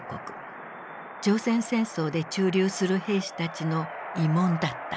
朝鮮戦争で駐留する兵士たちの慰問だった。